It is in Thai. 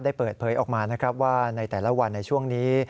เปิดเผยออกมานะครับว่าในแต่ละวันในช่วงนี้